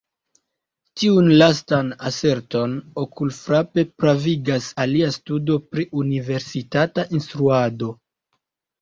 Tiun lastan aserton okulfrape pravigas alia studo pri universitata instruado.